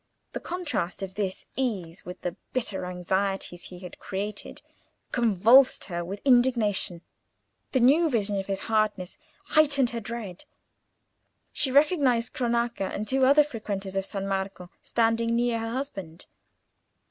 The contrast of this ease with the bitter anxieties he had created convulsed her with indignation: the new vision of his hardness heightened her dread. She recognised Cronaca and two other frequenters of San Marco standing near her husband.